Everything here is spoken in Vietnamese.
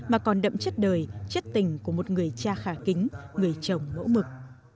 mà còn đậm chất đời chất tình của một người cha khả kính người chồng mẫu mực